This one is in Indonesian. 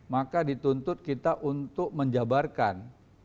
maka dituntut kita untuk menjabarkan